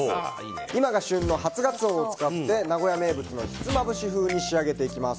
今が旬の初ガツオを使って名古屋名物のひつまぶし風に仕上げていきます。